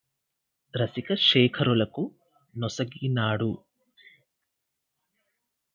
రసిక శేఖరులకు నొసగినాడు